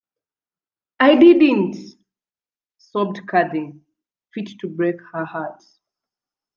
'I didn’t!’ sobbed Cathy, fit to break her heart.